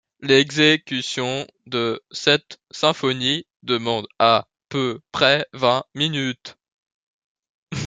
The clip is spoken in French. L'exécution de cette symphonie demande à peu près vingt minutes.